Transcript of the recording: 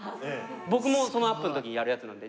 僕もアップの時にやるやつなので。